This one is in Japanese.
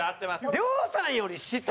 亮さんより下？